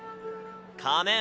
仮面。